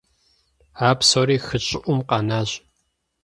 А псори хы щӀыӀум къэнащ.